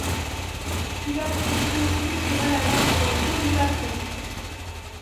Puis l'apprenti bossu tira la langue dans le dos du patron.